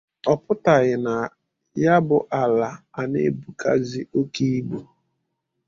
Ọ pụtaghị na ya bụ ala ana-ebùkazị oke ibu